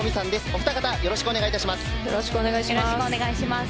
お二方、よろしくお願いします。